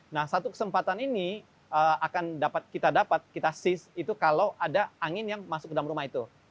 nah satu kesempatan ini akan dapat kita dapat kita seas itu kalau ada angin yang masuk ke dalam rumah itu